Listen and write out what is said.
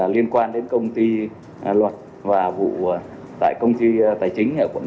liên quan đến công ty luật và vụ tại công ty tài chính ở quận tám